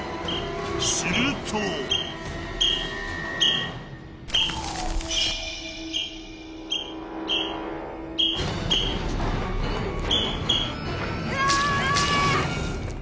するとうわーっ！